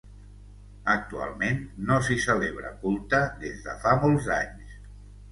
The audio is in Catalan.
Actualment no s'hi celebra culte des de fa molts anys.